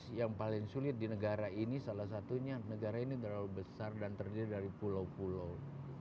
yang paling sulit di negara ini salah satunya negara ini terlalu besar dan terdiri dari pulau pulau